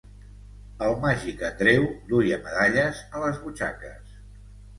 El Màgic Andreu duia medalles a les butxaques.